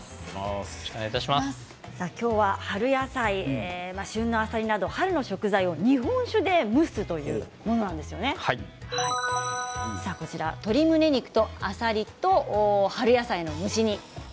今日は春野菜旬のあさりなど春の食材を日本酒で蒸すというものなんですけど鶏むね肉と、あさりと春野菜の蒸し煮